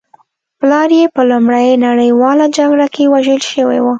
پلار یې په لومړۍ نړۍواله جګړه کې وژل شوی و